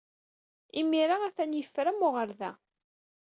Imir-a, atan yeffer am uɣerday.